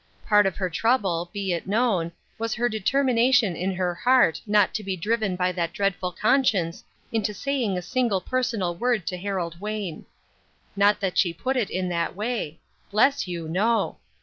Part of her trouble, be it known, was her determination in her heart not to be driven by that dreadful conscience into saying a single personal word to Harold Wayne. Not that she put it in that way; bless you, no!